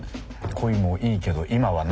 恋もいいけど今はな。